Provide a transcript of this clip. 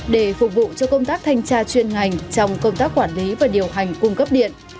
để phục vụ cho công tác thanh tra chuyên ngành trong công tác quản lý và điều hành cung cấp điện